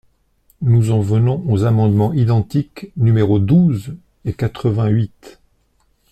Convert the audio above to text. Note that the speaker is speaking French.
Nous en venons aux amendements identiques numéros douze et quatre-vingt-huit.